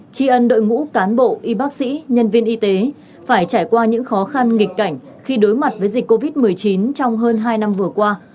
chi ân đội ngũ cán bộ y bác sĩ nhân viên y tế phải trải qua những khó khăn nghịch cảnh khi đối mặt với dịch covid một mươi chín trong hơn hai năm vừa qua